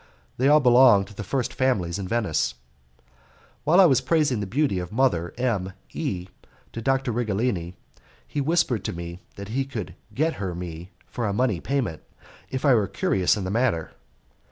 They all belong to the first families in Venice. While I was praising the beauty of Mother M E to Dr. Righelini, he whispered to me that he could get her me for a money payment, if I were curious in the matter.